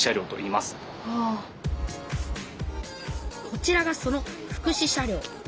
こちらがその福祉車両。